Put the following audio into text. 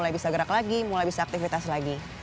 mulai bisa gerak lagi mulai bisa aktivitas lagi